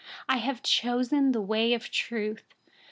30I have chosen the way of truth.